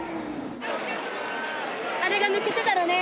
あれが抜けてたらね。